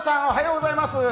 おはようございます。